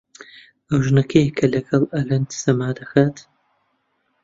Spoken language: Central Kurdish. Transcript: ئەو ژنە کێیە کە لەگەڵ ئەلەند سەما دەکات؟